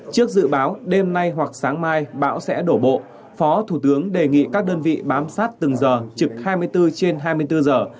trước dự báo đêm nay hoặc sáng mai bão sẽ đổ bộ phó thủ tướng đề nghị các đơn vị bám sát từng giờ trực hai mươi bốn trên hai mươi bốn giờ